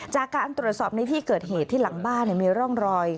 จากการตรวจสอบในที่เกิดเหตุที่หลังบ้านมีร่องรอย